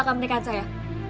tidak mungkin kita